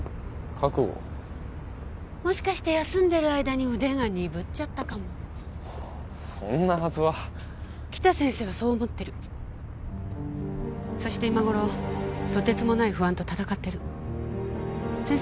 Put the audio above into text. もしかして休んでる間にウデが鈍っちゃったかもそんなはずは北先生はそう思ってるそして今ごろとてつもない不安と闘ってる先生